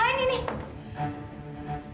ini yang saya mau